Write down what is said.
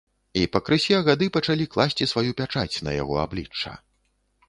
І пакрысе гады пачалі класці сваю пячаць на яго аблічча.